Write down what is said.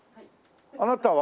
あなたは？